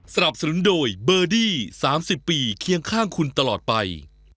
สนับสนุนโดยเบอร์ดี้๓๐ปีเคียงข้างคุณตลอดไป